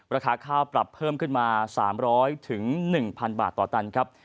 ราคาข้าวปรับเพิ่มขึ้นมา๓๐๐๑๐๐บาทต่อตันครับ